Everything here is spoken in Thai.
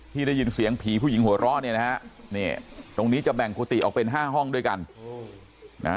ได้ยินเสียงผีผู้หญิงหัวเราะเนี่ยนะฮะนี่ตรงนี้จะแบ่งกุฏิออกเป็น๕ห้องด้วยกันนะฮะ